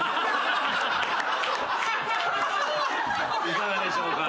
いかがでしょうか？